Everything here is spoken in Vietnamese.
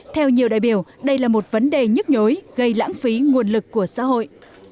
theo nhiều đại biểu đây là một vấn đề nhức nhối gây lãng phí nguồn lực của xã hội